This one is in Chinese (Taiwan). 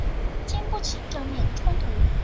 禁不起正面衝突